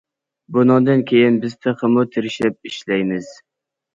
بۇنىڭدىن كېيىن بىز تېخىمۇ تىرىشىپ ئىشلەيمىز.